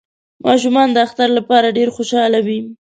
ماشومان د اختر لپاره ډیر خوشحاله وی